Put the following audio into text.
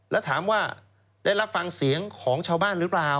แล้วถามว่าได้รับฟังเสียงของชาวบ้านหรือเปล่า